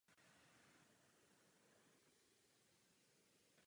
Na konci stejného roku byli chováni dva samci a dvě samice.